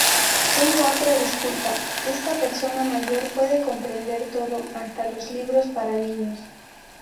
Tengo otra disculpa: esta persona mayor puede comprender todo; hasta los libros para niños.